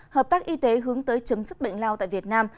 hợp tác y tế hướng tới chấm dứt bệnh lao tại việt nam